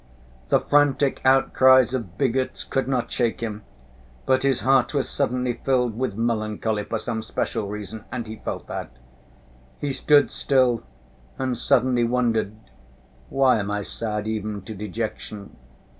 The frantic outcries of bigots could not shake him, but his heart was suddenly filled with melancholy for some special reason and he felt that. He stood still and suddenly wondered, "Why am I sad even to dejection?"